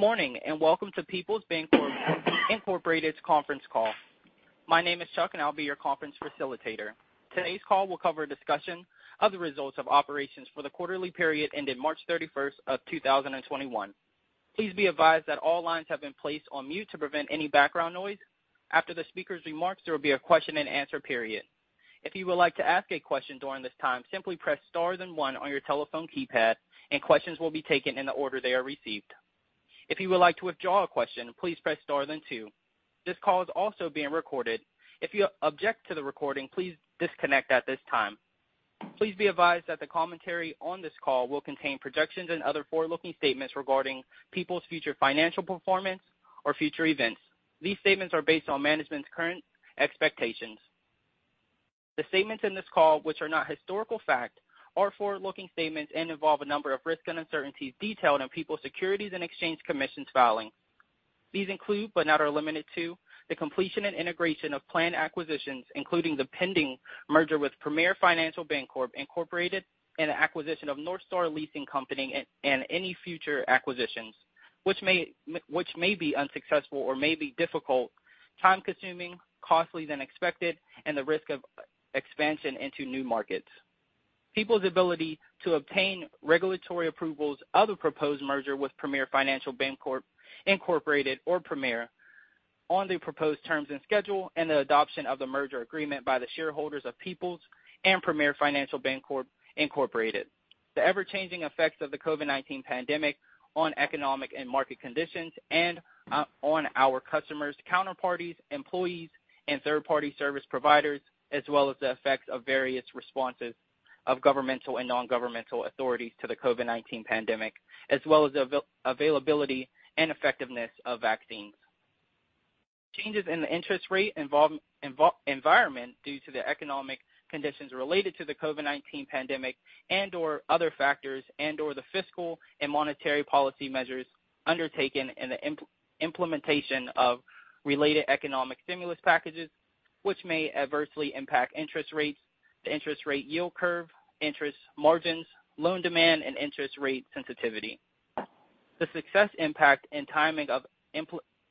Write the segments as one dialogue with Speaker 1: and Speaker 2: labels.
Speaker 1: Good morning, and welcome to Peoples Bancorp Inc.'s conference call. My name is Chuck, and I'll be your conference facilitator. Today's call will cover a discussion of the results of operations for the quarterly period ended March 31st of 2021. Please be advised that all lines have been placed on mute to prevent any background noise. After the speakers' remarks, there will be a question and answer period. If you would like to ask a question during this time, simply press star then one on your telephone keypad, and questions will be taken in the order they are received. If you would like to withdraw a question, please press star then two. This call is also being recorded. If you object to the recording, please disconnect at this time. Please be advised that the commentary on this call will contain projections and other forward-looking statements regarding Peoples' future financial performance or future events. These statements are based on management's current expectations. The statements in this call, which are not historical fact, are forward-looking statements and involve a number of risks and uncertainties detailed in Peoples' Securities and Exchange Commission filing. These include, but not are limited to, the completion and integration of planned acquisitions, including the pending merger with Premier Financial Bancorp, Inc., and the acquisition of North Star Leasing Company and any future acquisitions which may be unsuccessful or may be difficult, time-consuming, costly than expected, and the risk of expansion into new markets. Peoples' ability to obtain regulatory approvals of the proposed merger with Premier Financial Bancorp, Inc. or Premier on the proposed terms and schedule and the adoption of the merger agreement by the shareholders of Peoples and Premier Financial Bancorp, Inc. The ever-changing effects of the COVID-19 pandemic on economic and market conditions and on our customers, counterparties, employees, and third-party service providers, as well as the effects of various responses of governmental and non-governmental authorities to the COVID-19 pandemic, as well as the availability and effectiveness of vaccines. Changes in the interest rate environment due to the economic conditions related to the COVID-19 pandemic and/or other factors and/or the fiscal and monetary policy measures undertaken in the implementation of related economic stimulus packages which may adversely impact interest rates, the interest rate yield curve, interest margins, loan demand, and interest rate sensitivity. The success impact and timing of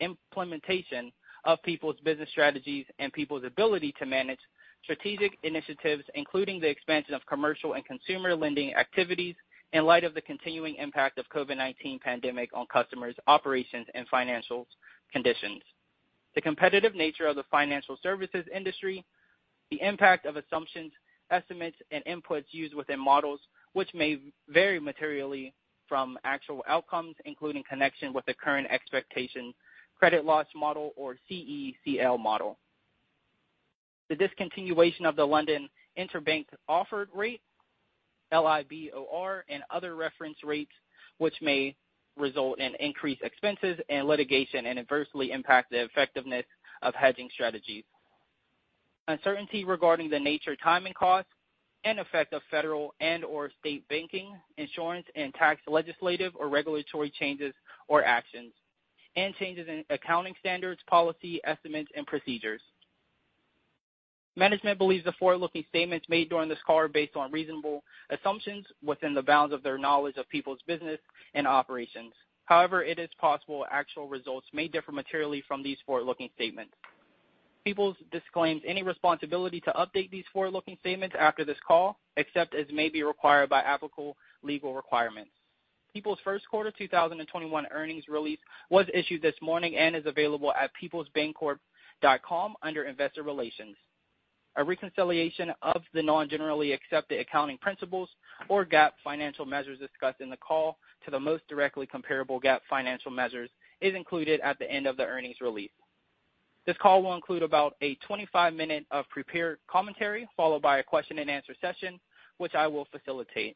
Speaker 1: implementation of Peoples' business strategies and Peoples' ability to manage strategic initiatives, including the expansion of commercial and consumer lending activities in light of the continuing impact of COVID-19 pandemic on customers' operations and financial conditions. The competitive nature of the financial services industry. The impact of assumptions, estimates, and inputs used within models which may vary materially from actual outcomes, including connection with the current expectation credit loss model or CECL model. The discontinuation of the London Interbank Offered Rate, LIBOR, and other reference rates which may result in increased expenses and litigation and adversely impact the effectiveness of hedging strategies. Uncertainty regarding the nature, time and cost, and effect of federal and/or state banking, insurance, and tax legislative or regulatory changes or actions, and changes in accounting standards, policy, estimates, and procedures. Management believes the forward-looking statements made during this call are based on reasonable assumptions within the bounds of their knowledge of Peoples' business and operations. However, it is possible actual results may differ materially from these forward-looking statements. Peoples disclaims any responsibility to update these forward-looking statements after this call, except as may be required by applicable legal requirements. Peoples' first quarter 2021 earnings release was issued this morning and is available at peoplesbancorp.com under Investor Relations. A reconciliation of the non-generally accepted accounting principles or GAAP financial measures discussed in the call to the most directly comparable GAAP financial measures is included at the end of the earnings release. This call will include about a 25-minute of prepared commentary, followed by a question and answer session, which I will facilitate.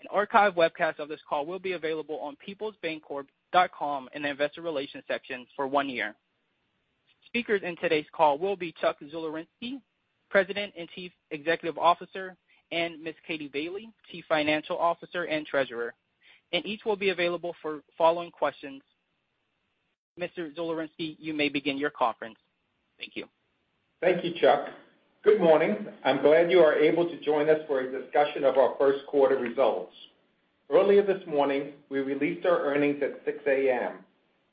Speaker 1: An archive webcast of this call will be available on peoplesbancorp.com in the investor relations section for one year. Speakers in today's call will be Chuck Sulerzyski, President and Chief Executive Officer, Ms. Katie Bailey, Chief Financial Officer and Treasurer, and each will be available for following questions. Mr. Sulerzyski, you may begin your conference. Thank you.
Speaker 2: Thank you, Chuck. Good morning. I'm glad you are able to join us for a discussion of our first quarter results. Earlier this morning, we released our earnings at 6:00 A.M.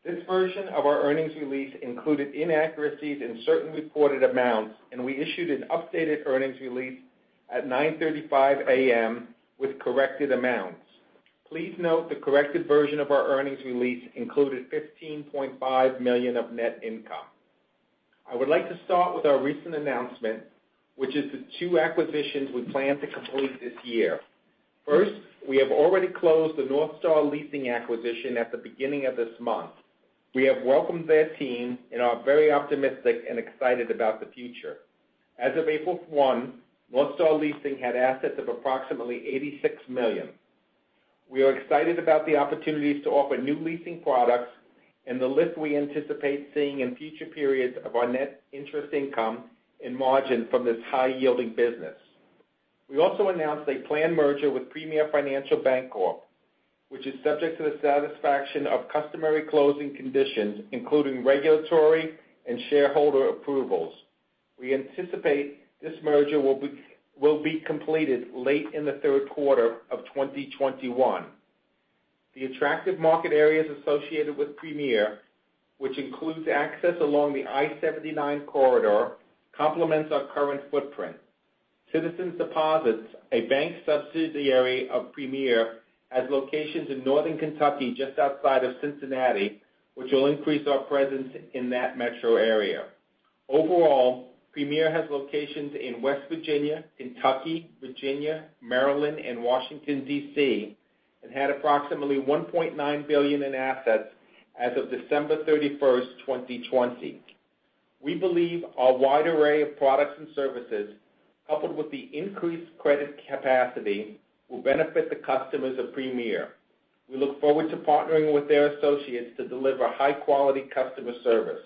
Speaker 2: This version of our earnings release included inaccuracies in certain reported amounts, and we issued an updated earnings release at 9:35 A.M. with corrected amounts. Please note the corrected version of our earnings release included $15.5 million of net income. I would like to start with our recent announcement, which is the two acquisitions we plan to complete this year. First, we have already closed the North Star Leasing acquisition at the beginning of this month. We have welcomed their team and are very optimistic and excited about the future. As of April 1, North Star Leasing had assets of approximately $86 million. We are excited about the opportunities to offer new leasing products and the lift we anticipate seeing in future periods of our net interest income and margin from this high-yielding business. We also announced a planned merger with Premier Financial Bancorp, which is subject to the satisfaction of customary closing conditions, including regulatory and shareholder approvals. We anticipate this merger will be completed late in the third quarter of 2021. The attractive market areas associated with Premier, which includes access along the I-79 corridor, complements our current footprint. Citizens Deposit, a bank subsidiary of Premier, has locations in Northern Kentucky just outside of Cincinnati, which will increase our presence in that metro area. Overall, Premier has locations in West Virginia, Kentucky, Virginia, Maryland, and Washington, D.C., and had approximately $1.9 billion in assets as of December 31st, 2020. We believe our wide array of products and services, coupled with the increased credit capacity, will benefit the customers of Premier. We look forward to partnering with their associates to deliver high-quality customer service.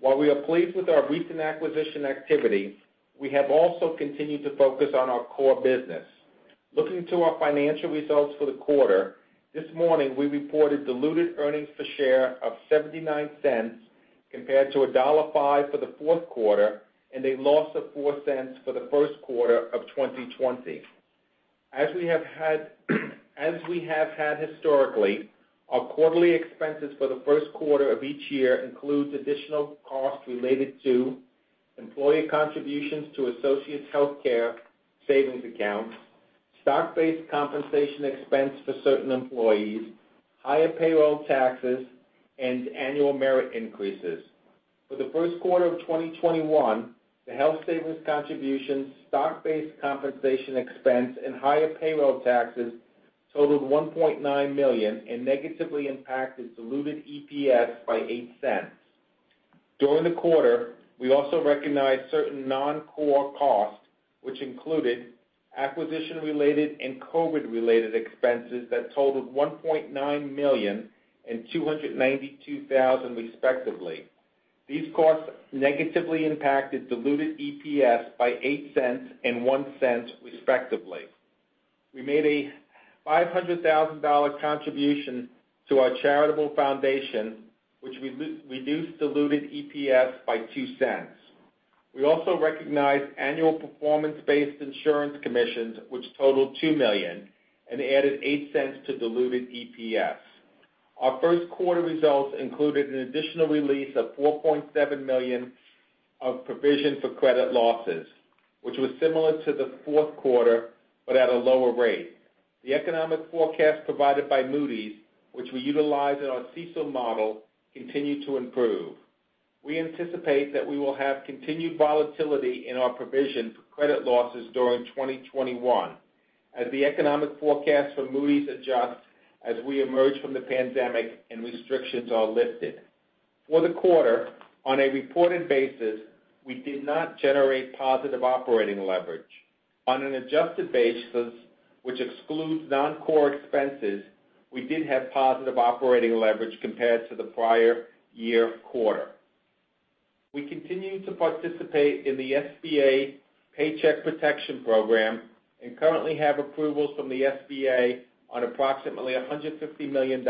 Speaker 2: While we are pleased with our recent acquisition activity, we have also continued to focus on our core business. Looking to our financial results for the quarter, this morning, we reported diluted earnings per share of $0.79 compared to $1.05 for the fourth quarter and a loss of $0.04 for the first quarter of 2020. As we have had historically, our quarterly expenses for the first quarter of each year includes additional costs related to employee contributions to associates' healthcare savings accounts, stock-based compensation expense for certain employees, higher payroll taxes, and annual merit increases. For the first quarter of 2021, the health savings contributions, stock-based compensation expense, and higher payroll taxes totaled $1.9 million and negatively impacted diluted EPS by $0.08. During the quarter, we also recognized certain non-core costs, which included acquisition-related and COVID-related expenses that totaled $1.9 million and $292,000, respectively. These costs negatively impacted diluted EPS by $0.08 and $0.01, respectively. We made a $500,000 contribution to our charitable foundation, which reduced diluted EPS by $0.02. We also recognized annual performance-based insurance commissions, which totaled $2 million and added $0.08 to diluted EPS. Our first quarter results included an additional release of $4.7 million of provision for credit losses, which was similar to the fourth quarter, but at a lower rate. The economic forecast provided by Moody's, which we utilize in our CECL model, continued to improve. We anticipate that we will have continued volatility in our provision for credit losses during 2021 as the economic forecast for Moody's adjusts as we emerge from the pandemic and restrictions are lifted. For the quarter, on a reported basis, we did not generate positive operating leverage. On an adjusted basis, which excludes non-core expenses, we did have positive operating leverage compared to the prior year quarter. We continue to participate in the SBA Paycheck Protection Program and currently have approvals from the SBA on approximately $150 million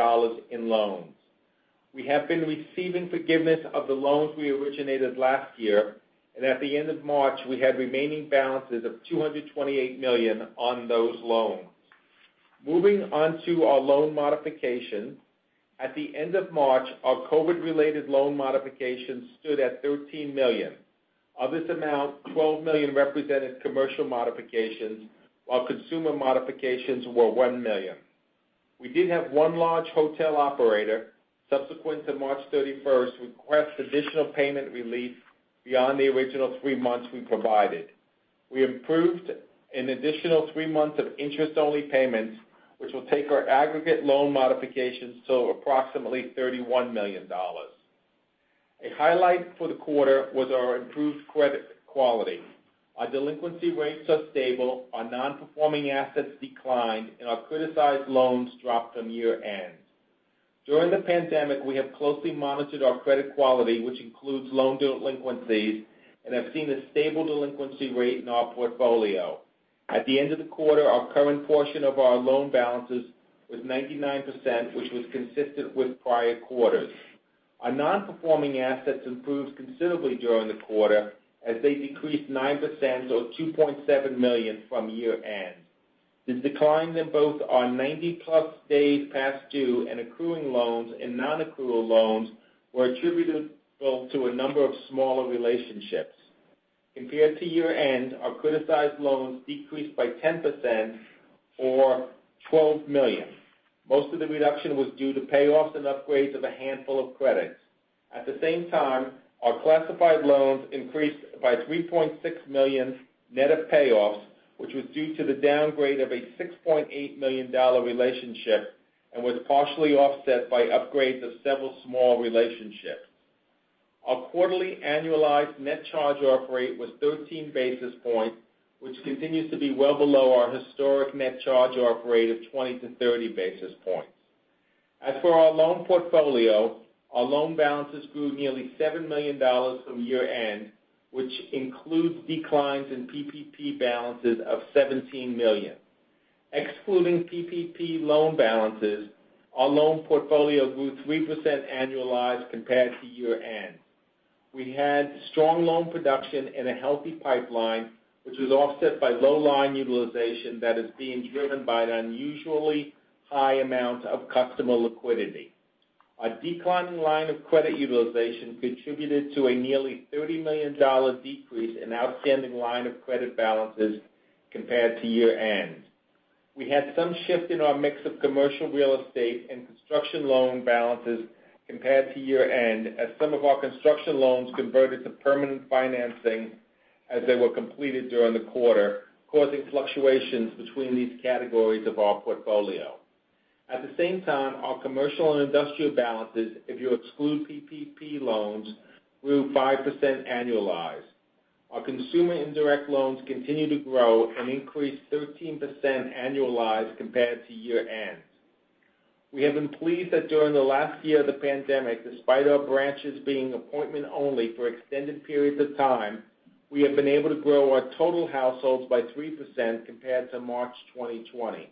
Speaker 2: in loans. We have been receiving forgiveness of the loans we originated last year, and at the end of March, we had remaining balances of $228 million on those loans. Moving on to our loan modifications, at the end of March, our COVID-related loan modifications stood at $13 million. Of this amount, $12 million represented commercial modifications, while consumer modifications were $1 million. We did have one large hotel operator subsequent to March 31st request additional payment relief beyond the original three months we provided. We approved an additional three months of interest-only payments, which will take our aggregate loan modifications to approximately $31 million. A highlight for the quarter was our improved credit quality. Our delinquency rates are stable, our non-performing assets declined, and our criticized loans dropped from year-end. During the pandemic, we have closely monitored our credit quality, which includes loan delinquencies and have seen a stable delinquency rate in our portfolio. At the end of the quarter, our current portion of our loan balances was 99%, which was consistent with prior quarters. Our non-performing assets improved considerably during the quarter as they decreased 9% or $2.7 million from year-end. This decline in both our 90+ days past due and accruing loans and non-accrual loans were attributable to a number of smaller relationships. Compared to year-end, our criticized loans decreased by 10% or $12 million. Most of the reduction was due to payoffs and upgrades of a handful of credits. At the same time, our classified loans increased by $3.6 million net of payoffs, which was due to the downgrade of a $6.8 million relationship and was partially offset by upgrades of several small relationships. Our quarterly annualized net charge-off rate was 13 basis points, which continues to be well below our historic net charge-off rate of 20-30 basis points. As for our loan portfolio, our loan balances grew nearly $7 million from year-end, which includes declines in PPP balances of $17 million. Excluding PPP loan balances, our loan portfolio grew 3% annualized compared to year-end. We had strong loan production and a healthy pipeline, which was offset by low line utilization that is being driven by an unusually high amount of customer liquidity. A declining line of credit utilization contributed to a nearly $30 million decrease in outstanding line of credit balances compared to year-end. We had some shift in our mix of commercial real estate and construction loan balances compared to year-end, as some of our construction loans converted to permanent financing as they were completed during the quarter, causing fluctuations between these categories of our portfolio. At the same time, our commercial and industrial balances, if you exclude PPP loans, grew 5% annualized. Our consumer indirect loans continue to grow and increased 13% annualized compared to year-end. We have been pleased that during the last year of the pandemic, despite our branches being appointment only for extended periods of time, we have been able to grow our total households by 3% compared to March 2020.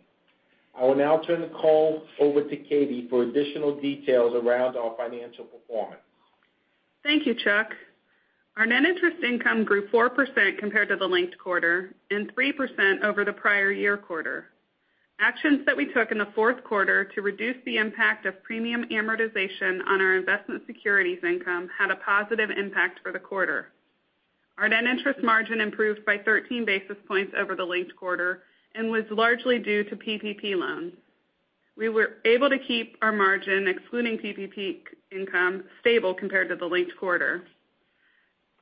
Speaker 2: I will now turn the call over to Katie for additional details around our financial performance.
Speaker 3: Thank you, Chuck. Our net interest income grew 4% compared to the linked quarter and 3% over the prior year quarter. Actions that we took in the fourth quarter to reduce the impact of premium amortization on our investment securities income had a positive impact for the quarter. Our net interest margin improved by 13 basis points over the linked quarter and was largely due to PPP loans. We were able to keep our margin, excluding PPP income, stable compared to the linked quarter.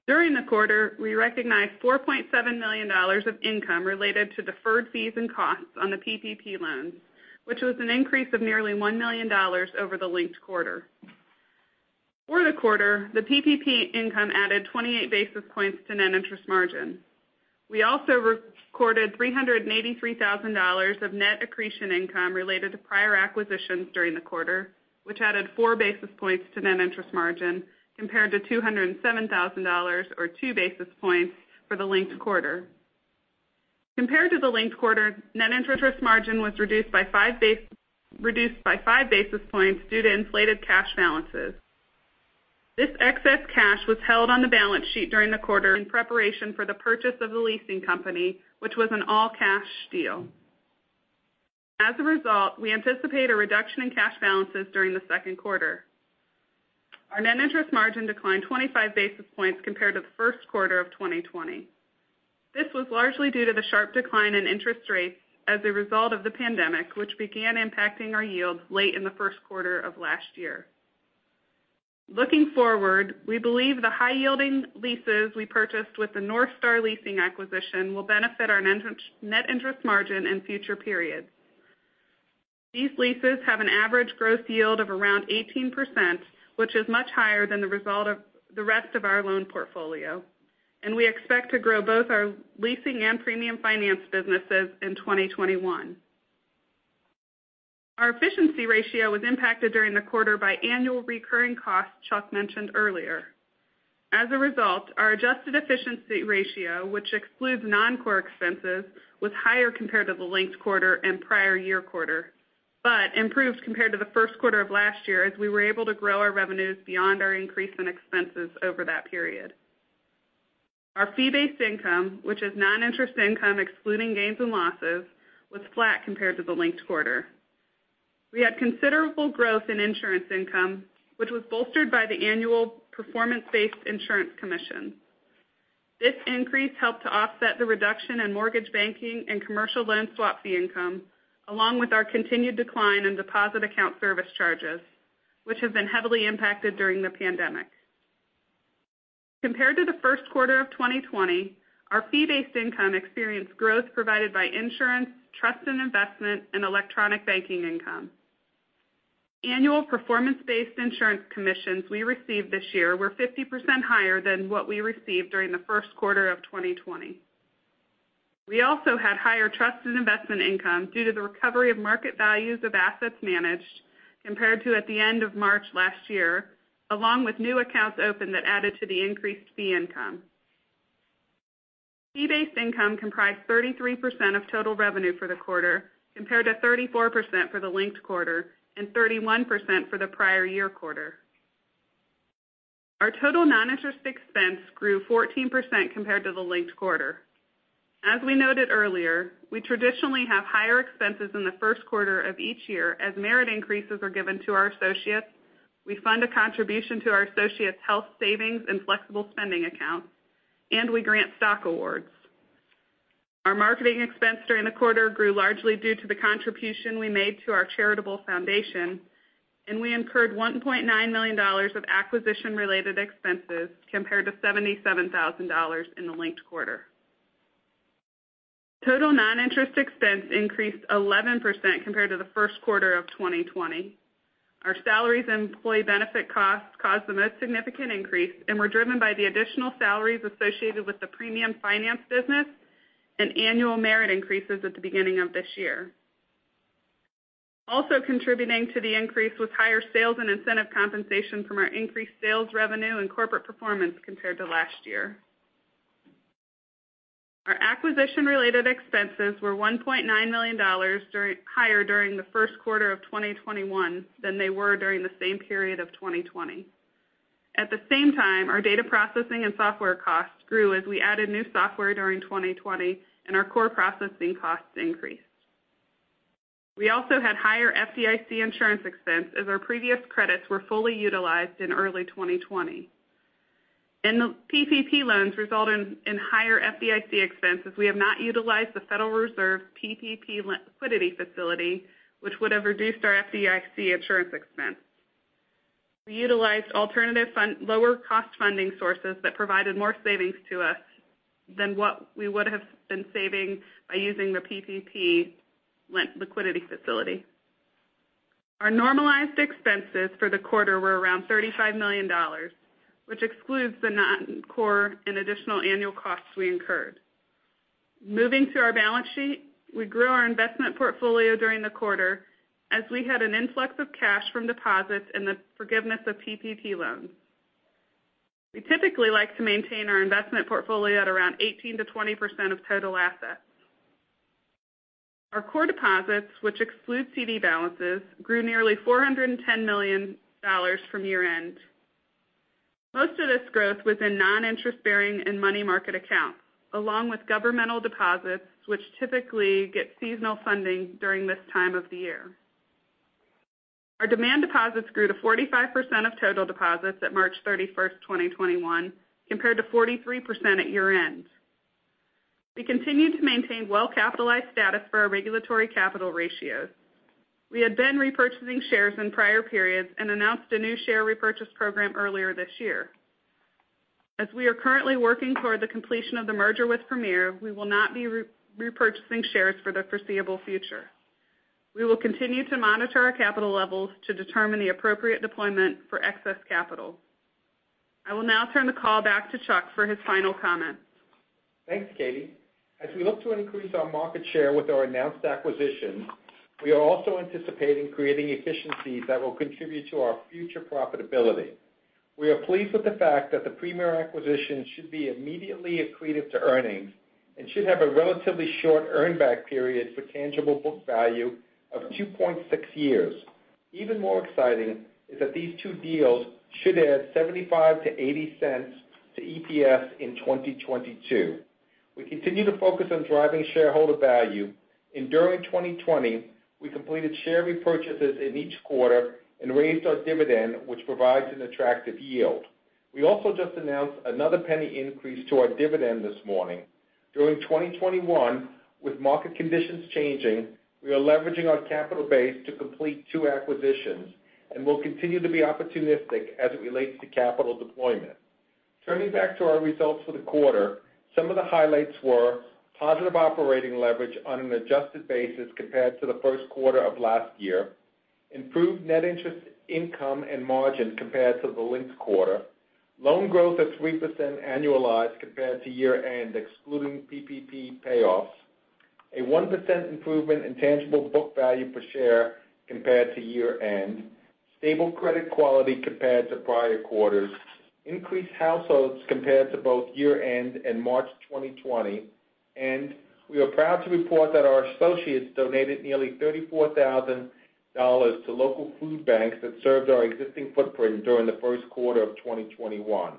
Speaker 3: During the quarter, we recognized $4.7 million of income related to deferred fees and costs on the PPP loans, which was an increase of nearly $1 million over the linked quarter. For the quarter, the PPP income added 28 basis points to net interest margin. We also recorded $383,000 of net accretion income related to prior acquisitions during the quarter, which added four basis points to net interest margin, compared to $207,000 or 2 basis points for the linked quarter. Compared to the linked quarter, net interest margin was reduced by 5 basis points due to inflated cash balances. This excess cash was held on the balance sheet during the quarter in preparation for the purchase of the leasing company, which was an all-cash deal. As a result, we anticipate a reduction in cash balances during the second quarter. Our net interest margin declined 25 basis points compared to the first quarter of 2020. This was largely due to the sharp decline in interest rates as a result of the pandemic, which began impacting our yields late in the first quarter of last year. Looking forward, we believe the high-yielding leases we purchased with the North Star Leasing acquisition will benefit our net interest margin in future periods. These leases have an average gross yield of around 18%, which is much higher than the rest of our loan portfolio, and we expect to grow both our leasing and premium finance businesses in 2021. Our efficiency ratio was impacted during the quarter by annual recurring costs Chuck mentioned earlier. Our adjusted efficiency ratio, which excludes non-core expenses, was higher compared to the linked quarter and prior year quarter, but improved compared to the first quarter of last year, as we were able to grow our revenues beyond our increase in expenses over that period. Our fee-based income, which is non-interest income excluding gains and losses, was flat compared to the linked quarter. We had considerable growth in insurance income, which was bolstered by the annual performance-based insurance commission. This increase helped to offset the reduction in mortgage banking and commercial loan swap fee income, along with our continued decline in deposit account service charges, which have been heavily impacted during the pandemic. Compared to the first quarter of 2020, our fee-based income experienced growth provided by insurance, trust and investment, and electronic banking income. Annual performance-based insurance commissions we received this year were 50% higher than what we received during the first quarter of 2020. We also had higher trust and investment income due to the recovery of market values of assets managed compared to at the end of March last year, along with new accounts opened that added to the increased fee income. Fee-based income comprised 33% of total revenue for the quarter, compared to 34% for the linked quarter and 31% for the prior year quarter. Our total non-interest expense grew 14% compared to the linked quarter. As we noted earlier, we traditionally have higher expenses in the first quarter of each year as merit increases are given to our associates, we fund a contribution to our associates' health savings and flexible spending accounts, and we grant stock awards. Our marketing expense during the quarter grew largely due to the contribution we made to our charitable foundation, and we incurred $1.9 million of acquisition-related expenses compared to $77,000 in the linked quarter. Total non-interest expense increased 11% compared to the first quarter of 2020. Our salaries and employee benefit costs caused the most significant increase and were driven by the additional salaries associated with the premium finance business and annual merit increases at the beginning of this year. Also contributing to the increase was higher sales and incentive compensation from our increased sales revenue and corporate performance compared to last year. Our acquisition-related expenses were $1.9 million higher during the first quarter of 2021 than they were during the same period of 2020. At the same time, our data processing and software costs grew as we added new software during 2020, and our core processing costs increased. We also had higher FDIC insurance expense as our previous credits were fully utilized in early 2020. The PPP loans result in higher FDIC expenses. We have not utilized the Federal Reserve PPP Liquidity Facility, which would have reduced our FDIC insurance expense. We utilized alternative lower-cost funding sources that provided more savings to us than what we would have been saving by using the PPP Liquidity Facility. Our normalized expenses for the quarter were around $35 million, which excludes the non-core and additional annual costs we incurred. Moving to our balance sheet, we grew our investment portfolio during the quarter as we had an influx of cash from deposits and the forgiveness of PPP loans. We typically like to maintain our investment portfolio at around 18%-20% of total assets. Our core deposits, which excludes CD balances, grew nearly $410 million from year-end. Most of this growth was in non-interest-bearing and money market accounts, along with governmental deposits, which typically get seasonal funding during this time of the year. Our demand deposits grew to 45% of total deposits at March 31st, 2021, compared to 43% at year-end. We continued to maintain well-capitalized status for our regulatory capital ratios. We had been repurchasing shares in prior periods and announced a new share repurchase program earlier this year. As we are currently working toward the completion of the merger with Premier, we will not be repurchasing shares for the foreseeable future. We will continue to monitor our capital levels to determine the appropriate deployment for excess capital. I will now turn the call back to Chuck for his final comments.
Speaker 2: Thanks, Katie. As we look to increase our market share with our announced acquisition, we are also anticipating creating efficiencies that will contribute to our future profitability. We are pleased with the fact that the Premier acquisition should be immediately accretive to earnings and should have a relatively short earn back period for tangible book value of 2.6 years. Even more exciting is that these two deals should add $0.75-$0.80 to EPS in 2022. We continue to focus on driving shareholder value. During 2020, we completed share repurchases in each quarter and raised our dividend, which provides an attractive yield. We also just announced another $0.01 increase to our dividend this morning. During 2021, with market conditions changing, we are leveraging our capital base to complete two acquisitions. Will continue to be opportunistic as it relates to capital deployment. Turning back to our results for the quarter, some of the highlights were positive operating leverage on an adjusted basis compared to the first quarter of last year, improved net interest income and margin compared to the linked quarter, loan growth at 3% annualized compared to year-end, excluding PPP payoffs, a 1% improvement in tangible book value per share compared to year-end, stable credit quality compared to prior quarters, increased households compared to both year-end and March 2020, and we are proud to report that our associates donated nearly $34,000 to local food banks that served our existing footprint during the first quarter of 2021.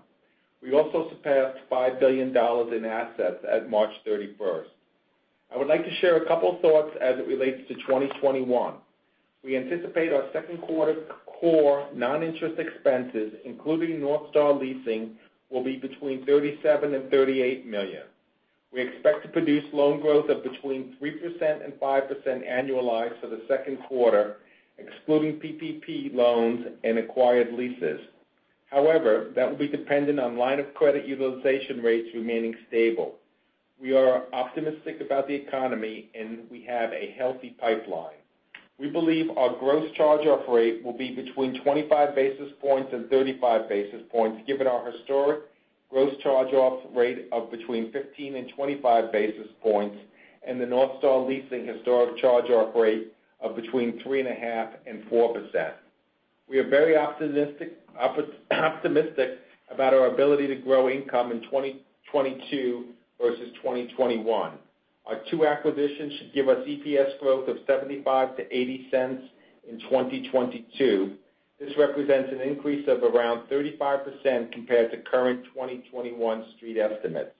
Speaker 2: We also surpassed $5 billion in assets at March 31st. I would like to share a couple thoughts as it relates to 2021. We anticipate our second quarter core non-interest expenses, including North Star Leasing, will be between $37 million and $38 million. We expect to produce loan growth of between 3% and 5% annualized for the second quarter, excluding PPP loans and acquired leases. That will be dependent on line of credit utilization rates remaining stable. We are optimistic about the economy, and we have a healthy pipeline. We believe our gross charge-off rate will be between 25 basis points and 35 basis points, given our historic gross charge-off rate of between 15 and 25 basis points and the North Star Leasing historic charge-off rate of between 3.5% and 4%. We are very optimistic about our ability to grow income in 2022 versus 2021. Our two acquisitions should give us EPS growth of $0.75-$0.80 in 2022. This represents an increase of around 35% compared to current 2021 Street estimates.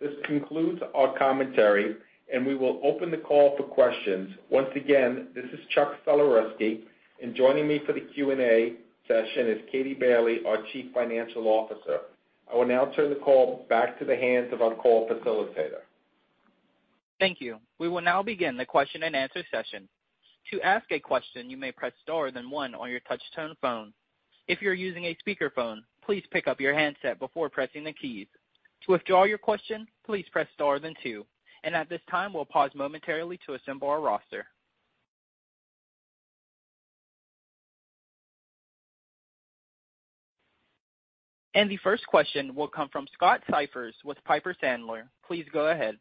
Speaker 2: This concludes our commentary, and we will open the call for questions. Once again, this is Chuck Sulerzyski, and joining me for the Q&A session is Katie Bailey, our Chief Financial Officer. I will now turn the call back to the hands of our call facilitator.
Speaker 1: Thank you. We will now begin the question and answer session. To ask a question, you may press star then one on your touch-tone phone. If you're using a speakerphone, please pick up your handset before pressing the keys. To withdraw your question, please press star then two. At this time, we'll pause momentarily to assemble our roster. The first question will come from Scott Siefers with Piper Sandler. Please go ahead.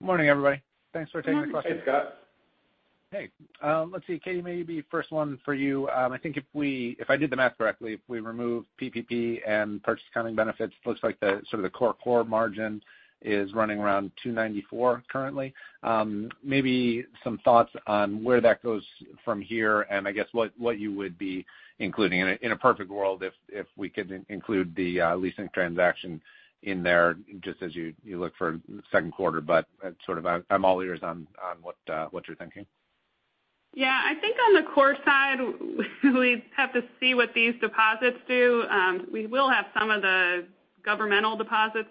Speaker 4: Morning, everybody. Thanks for taking the question.
Speaker 3: Morning.
Speaker 2: Hey, Scott.
Speaker 4: Hey. Let's see, Katie, maybe first one for you. I think if I did the math correctly, if we remove PPP and purchase accounting benefits, it looks like the core margin is running around 294 currently. Maybe some thoughts on where that goes from here and I guess what you would be including in a perfect world if we could include the leasing transaction in there just as you look for second quarter. I'm all ears on what you're thinking.
Speaker 3: Yeah, I think on the core side we have to see what these deposits do. We will have some of the governmental deposits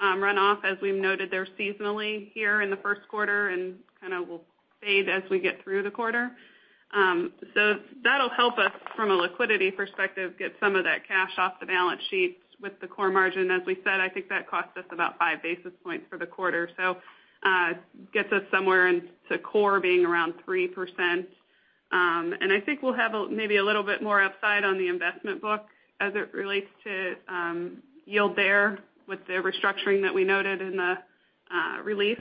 Speaker 3: run off as we've noted they're seasonally here in the first quarter and kind of will fade as we get through the quarter. That'll help us from a liquidity perspective, get some of that cash off the balance sheet with the core margin. As we said, I think that cost us about 5 basis points for the quarter. Gets us somewhere into core being around 3%. I think we'll have maybe a little bit more upside on the investment book as it relates to yield there with the restructuring that we noted in the release.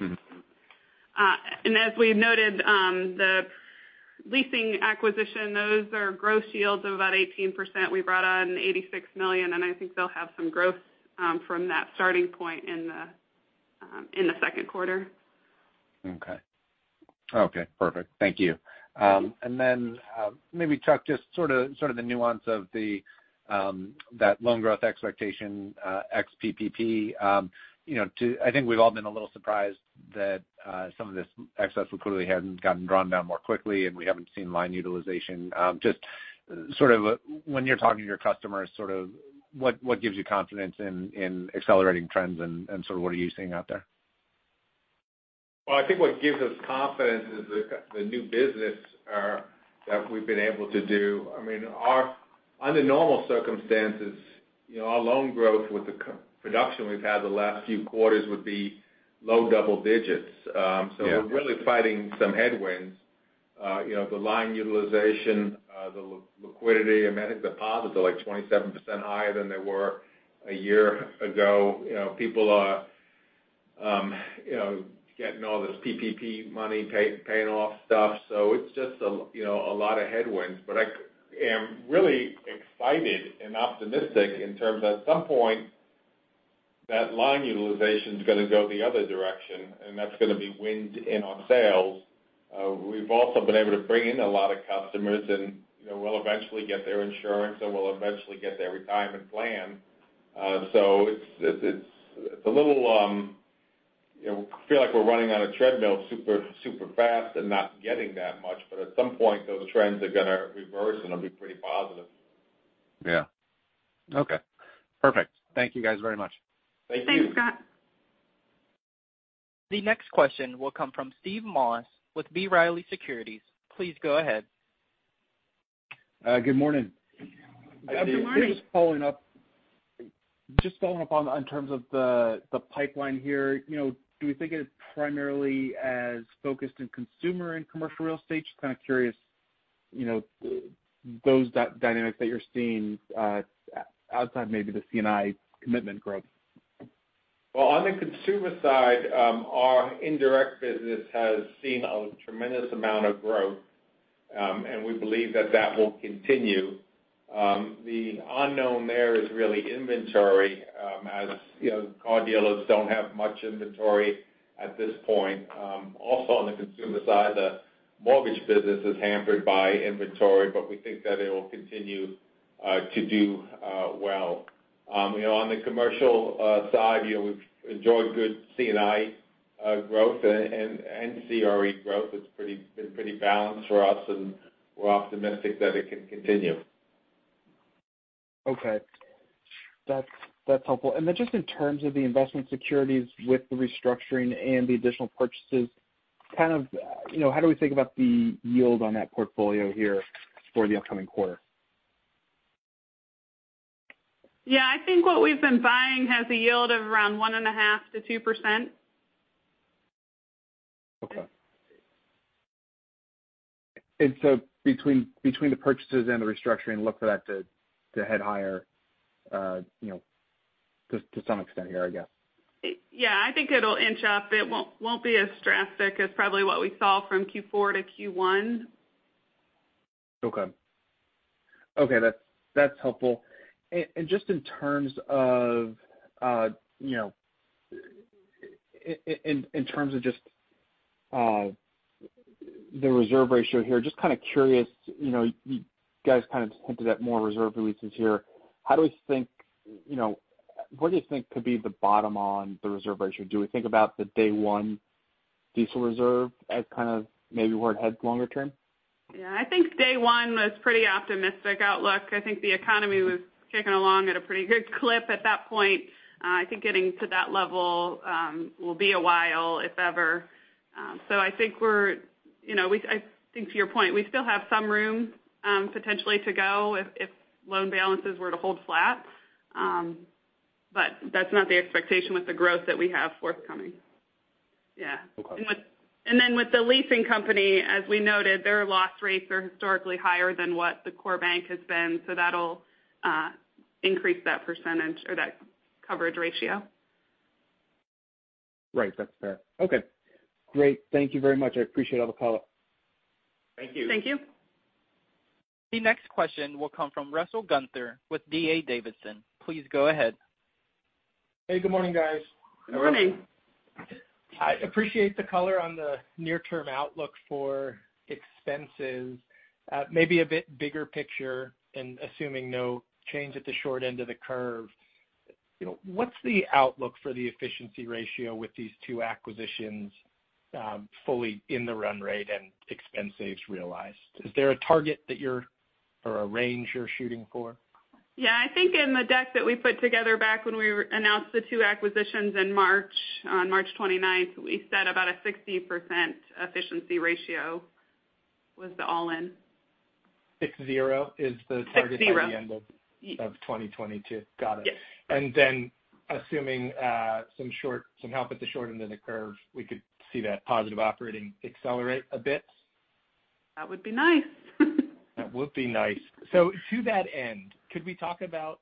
Speaker 3: As we noted, the leasing acquisition, those are gross yields of about 18%. We brought on $86 million, and I think they'll have some growth from that starting point in the second quarter.
Speaker 4: Okay. Perfect. Thank you. Maybe Chuck, just the nuance of that loan growth expectation ex PPP. I think we've all been a little surprised that some of this excess liquidity hadn't gotten drawn down more quickly, and we haven't seen line utilization. Just when you're talking to your customers, what gives you confidence in accelerating trends and what are you seeing out there?
Speaker 2: Well, I think what gives us confidence is the new business that we've been able to do. Under normal circumstances, our loan growth with the production we've had the last few quarters would be low double digits.
Speaker 4: Yeah.
Speaker 2: We're really fighting some headwinds. The line utilization, the liquidity, I mean, deposits are like 27% higher than they were a year ago. People are getting all this PPP money, paying off stuff. It's just a lot of headwinds, but I am really excited and optimistic in terms of at some point, that line utilization's going to go the other direction, and that's going to be wind in our sails. We've also been able to bring in a lot of customers, and we'll eventually get their insurance, and we'll eventually get their retirement plan. Feel like we're running on a treadmill super fast and not getting that much, but at some point, those trends are going to reverse, and it'll be pretty positive.
Speaker 4: Yeah. Okay. Perfect. Thank you guys very much.
Speaker 2: Thank you.
Speaker 3: Thanks, Scott.
Speaker 1: The next question will come from Steve Moss with B. Riley Securities. Please go ahead.
Speaker 5: Good morning.
Speaker 3: Good morning.
Speaker 2: Good morning.
Speaker 5: Just following up on in terms of the pipeline here. Do we think it is primarily as focused in consumer and commercial real estate? Just kind of curious, those dynamics that you're seeing outside maybe the C&I commitment growth.
Speaker 2: Well, on the consumer side, our indirect business has seen a tremendous amount of growth, and we believe that that will continue. The unknown there is really inventory as car dealers don't have much inventory at this point. Also on the consumer side, the mortgage business is hampered by inventory, but we think that it will continue to do well. On the commercial side, we've enjoyed good C&I growth and CRE growth. It's been pretty balanced for us, and we're optimistic that it can continue.
Speaker 5: Okay. That's helpful. Just in terms of the investment securities with the restructuring and the additional purchases, how do we think about the yield on that portfolio here for the upcoming quarter?
Speaker 3: Yeah, I think what we've been buying has a yield of around 1.5%-2%.
Speaker 5: Okay. Between the purchases and the restructuring, look for that to head higher to some extent here, I guess.
Speaker 3: Yeah, I think it'll inch up. It won't be as drastic as probably what we saw from Q4 to Q1.
Speaker 5: Okay. That's helpful. Just in terms of just the reserve ratio here, just kind of curious, you guys kind of hinted at more reserve releases here. What do you think could be the bottom on the reserve ratio? Do we think about the day one CECL reserve as kind of maybe where it heads longer term?
Speaker 3: Yeah, I think day one was pretty optimistic outlook. I think the economy was chugging along at a pretty good clip at that point. I think getting to that level will be a while, if ever. I think to your point, we still have some room potentially to go if loan balances were to hold flat. That's not the expectation with the growth that we have forthcoming. Yeah.
Speaker 5: Okay.
Speaker 3: With the leasing company, as we noted, their loss rates are historically higher than what the core bank has been, so that'll increase that percentage or that coverage ratio.
Speaker 5: Right. That's fair. Okay, great. Thank you very much. I appreciate all the color.
Speaker 2: Thank you.
Speaker 3: Thank you.
Speaker 1: The next question will come from Russell Gunther with D.A. Davidson. Please go ahead.
Speaker 6: Hey, good morning, guys.
Speaker 3: Good morning.
Speaker 6: I appreciate the color on the near-term outlook for expenses. Maybe a bit bigger picture and assuming no change at the short end of the curve, what's the outlook for the efficiency ratio with these two acquisitions fully in the run rate and expense saves realized? Is there a target or a range you're shooting for?
Speaker 3: Yeah. I think in the deck that we put together back when we announced the two acquisitions in March, on March 29th, we said about a 60% efficiency ratio was the all-in.
Speaker 6: Six zero is the target-
Speaker 3: 60
Speaker 6: by the end of 2022. Got it.
Speaker 3: Yes.
Speaker 6: Assuming some help at the short end of the curve, we could see that positive operating accelerate a bit?
Speaker 3: That would be nice.
Speaker 6: That would be nice. To that end, could we talk about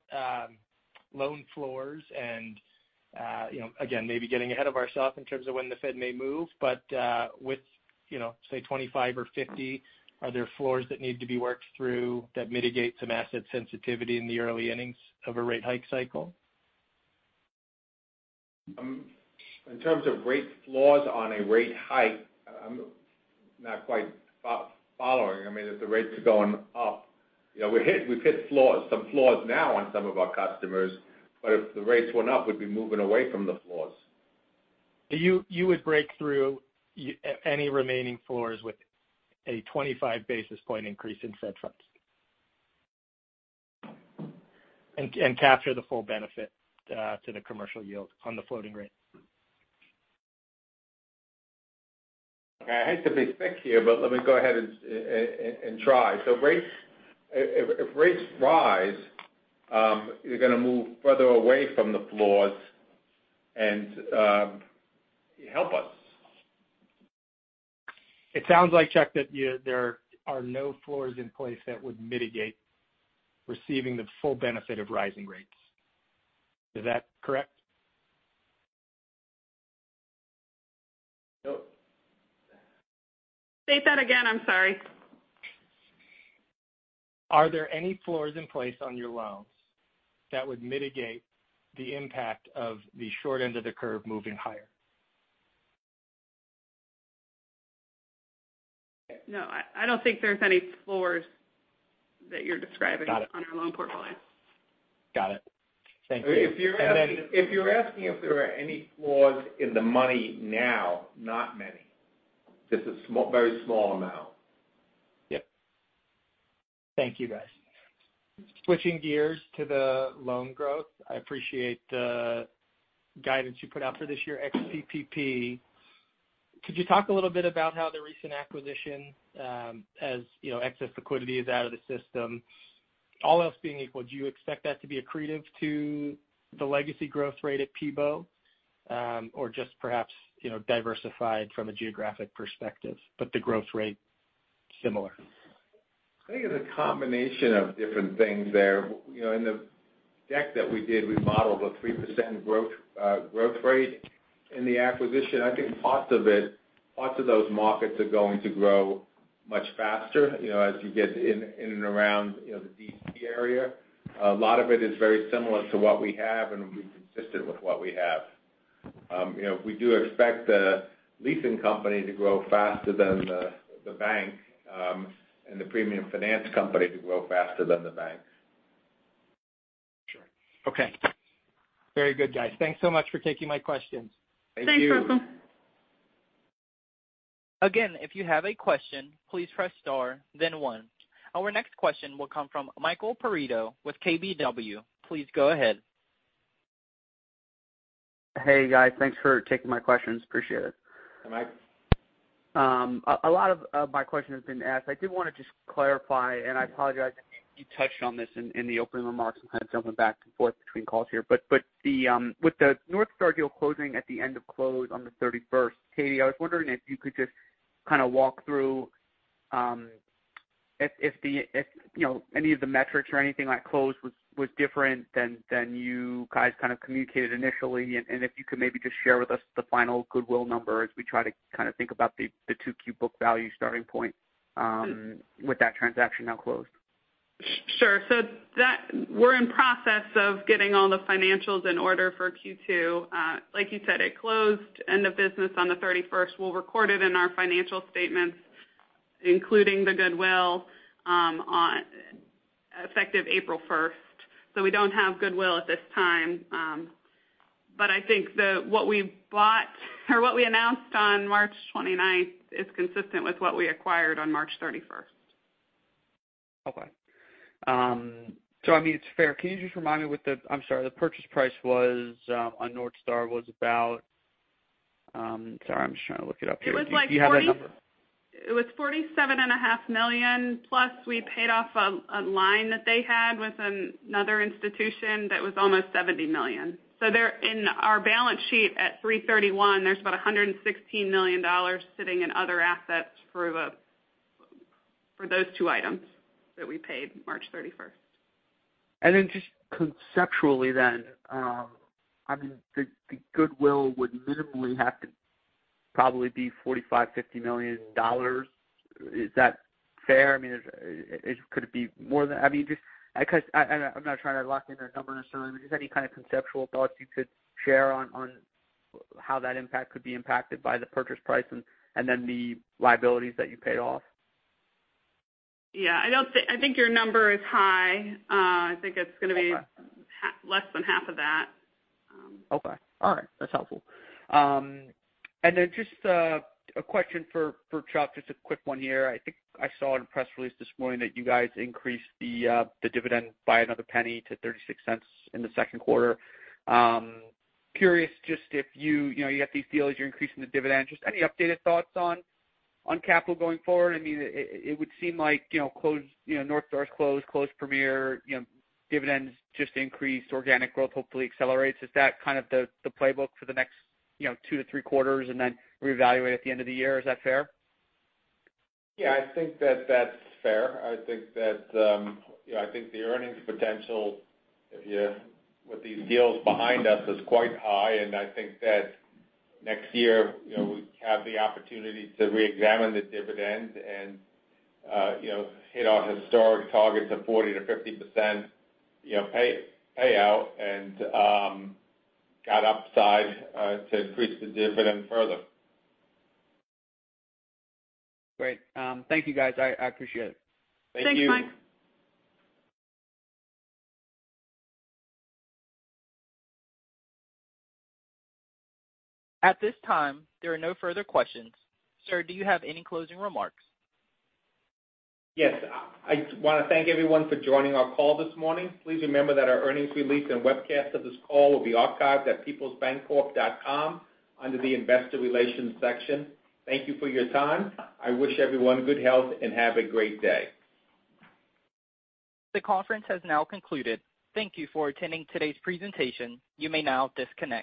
Speaker 6: loan floors and again, maybe getting ahead of ourself in terms of when the Fed may move, with say 25 or 50, are there floors that need to be worked through that mitigate some asset sensitivity in the early innings of a rate hike cycle?
Speaker 2: In terms of rate floors on a rate hike, I'm not quite following. I mean, if the rates are going up, we've hit some floors now on some of our customers, but if the rates went up, we'd be moving away from the floors.
Speaker 6: You would break through any remaining floors with a 25 basis point increase in Fed funds? Capture the full benefit to the commercial yield on the floating rate?
Speaker 2: Okay. I hate to be thick here, but let me go ahead and try. If rates rise, you're going to move further away from the floors and help us.
Speaker 6: It sounds like, Chuck, that there are no floors in place that would mitigate receiving the full benefit of rising rates. Is that correct?
Speaker 2: Nope.
Speaker 3: State that again. I'm sorry.
Speaker 6: Are there any floors in place on your loans that would mitigate the impact of the short end of the curve moving higher?
Speaker 3: No, I don't think there's any floors that you're describing-
Speaker 6: Got it.
Speaker 3: on our loan portfolio.
Speaker 6: Got it. Thank you.
Speaker 2: If you're asking if there are any floors in the money now, not many. Just a very small amount.
Speaker 6: Yep. Thank you, guys. Switching gears to the loan growth. I appreciate the guidance you put out for this year, ex-PPP. Could you talk a little bit about how the recent acquisition, as excess liquidity is out of the system, all else being equal, do you expect that to be accretive to the legacy growth rate at PBOH? Just perhaps diversified from a geographic perspective, but the growth rate similar?
Speaker 2: I think it's a combination of different things there. In the deck that we did, we modeled a 3% growth rate in the acquisition. I think parts of those markets are going to grow much faster as you get in and around the D.C. area. A lot of it is very similar to what we have, and will be consistent with what we have. We do expect the leasing company to grow faster than the bank, and the premium finance company to grow faster than the bank.
Speaker 6: Sure. Okay. Very good, guys. Thanks so much for taking my questions.
Speaker 2: Thank you.
Speaker 3: Thanks, Russell.
Speaker 1: If you have a question, please press star then one. Our next question will come from Michael Perito with KBW. Please go ahead.
Speaker 7: Hey, guys. Thanks for taking my questions. Appreciate it.
Speaker 2: Hi, Mike.
Speaker 7: A lot of my question has been asked. I did want to just clarify, and I apologize if you touched on this in the opening remarks. I'm kind of jumping back and forth between calls here. With the North Star deal closing at the end of close on the 31st, Katie, I was wondering if you could just walk through if any of the metrics or anything at close was different than you guys communicated initially, and if you could maybe just share with us the final goodwill number as we try to think about the [2Q] book value starting point with that transaction now closed.
Speaker 3: Sure. We're in process of getting all the financials in order for Q2. Like you said, it closed end of business on the 31st. We'll record it in our financial statements, including the goodwill, effective April 1st. We don't have goodwill at this time. I think what we bought or what we announced on March 29th is consistent with what we acquired on March 31st.
Speaker 7: Okay. I mean, it's fair. Can you just remind me, I'm sorry, the purchase price on North Star was about? Sorry, I'm just trying to look it up here.
Speaker 3: It was like 40-
Speaker 7: Do you have that number?
Speaker 3: It was $47.5 million, plus we paid off a line that they had with another institution that was almost $70 million. In our balance sheet at [3/31], there's about $116 million sitting in other assets for those two items that we paid March 31st.
Speaker 7: Just conceptually then, the goodwill would minimally have to probably be $45 million, $50 million. Is that fair? Could it be more than? I'm not trying to lock in a number or something. Just any kind of conceptual thoughts you could share on how that impact could be impacted by the purchase price and then the liabilities that you paid off?
Speaker 3: Yeah, I think your number is high. I think it's going to be less than half of that.
Speaker 7: Okay. All right. That's helpful. Then just a question for Chuck, just a quick one here. I think I saw in a press release this morning that you guys increased the dividend by another $0.01-$0.36 in the second quarter. Curious just if you got these deals, you're increasing the dividend. Just any updated thoughts on capital going forward? It would seem like North Star's closed Premier, dividends just increased, organic growth hopefully accelerates. Is that kind of the playbook for the next two to three quarters and then reevaluate at the end of the year? Is that fair?
Speaker 2: Yeah, I think that's fair. I think the earnings potential with these deals behind us is quite high, and I think that next year, we have the opportunity to reexamine the dividend and hit our historic targets of 40%-50% payout and got upside to increase the dividend further.
Speaker 7: Great. Thank you, guys. I appreciate it.
Speaker 2: Thank you.
Speaker 3: Thanks, Mike.
Speaker 1: At this time, there are no further questions. Sir, do you have any closing remarks?
Speaker 2: Yes. I want to thank everyone for joining our call this morning. Please remember that our earnings release and webcast of this call will be archived at peoplesbancorp.com under the investor relations section. Thank you for your time. I wish everyone good health and have a great day.
Speaker 1: The conference has now concluded. Thank you for attending today's presentation. You may now disconnect.